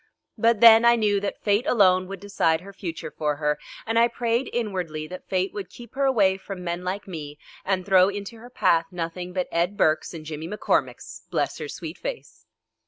But then I knew that fate alone would decide her future for her, and I prayed inwardly that fate would keep her away from men like me and throw into her path nothing but Ed Burkes and Jimmy McCormicks, bless her sweet face!